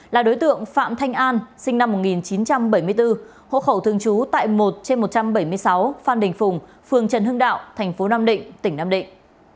là đối tượng phạm thanh an sinh năm một nghìn chín trăm bảy mươi bốn hỗ khẩu thương chú tại một trên một trăm bảy mươi sáu phan đình phùng phường trần hưng đạo tp nam định tỉnh nam định